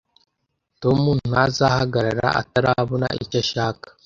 Tom ntazahagarara atarabona icyo ashaka